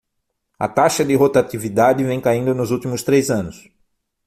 A taxa de rotatividade vem caindo nos últimos três anos.